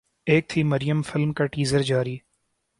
ایک تھی مریم فلم کا ٹیزر جاری